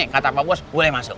kata pak puas boleh masuk